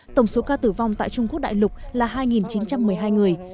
tổng số ca tử vong tại trung quốc đại lục là hai chín trăm một mươi hai người